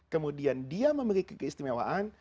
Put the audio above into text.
kemudian dia memiliki keistimewaan